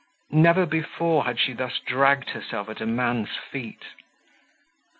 Never before had she thus dragged herself at a man's feet.